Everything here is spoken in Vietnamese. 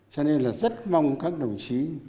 cho nên là rất mong các đồng chí